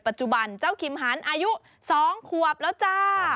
ปัจจุบันเจ้าคิมหันอายุ๒ขวบแล้วจ้า